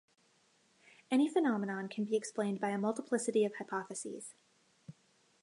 Any phenomenon can be explained by a multiplicity of hypotheses.